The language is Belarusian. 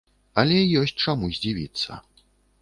Але ёсць чаму здзівіцца.